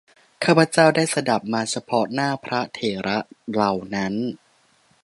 ข้าพเจ้าได้สดับมาเฉพาะหน้าพระเถระเหล่านั้น